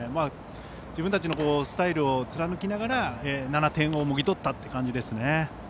自分たちのスタイルを貫きながら７点をもぎ取ったという感じですね。